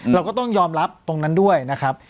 เราก็ต้องยอมรับตรงนั้นด้วยนะครับ